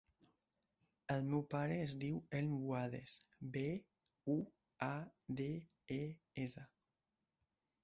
El meu pare es diu Elm Buades: be, u, a, de, e, essa.